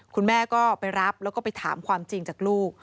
คุณแม่ก็ไปรับแล้วก็ไปถามความจริงจากลูก